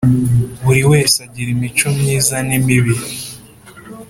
Buri wese agira imico myiza n imibi